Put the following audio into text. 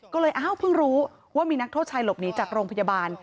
ก็เลยอ้าวเพิ่งรู้ว่ามีนักโทษชายหลบหนีจากโรงพยาบาล